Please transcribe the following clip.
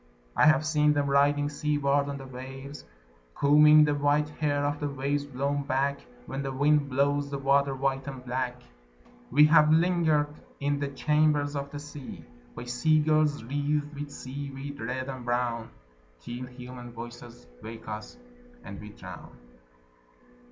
I have seen them riding seaward on the waves Combing the white hair of the waves blown back When the wind blows the water white and black. We have lingered in the chambers of the sea By sea girls wreathed with seaweed red and brown Till human voices wake us, and we drown.